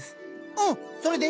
うんそれで？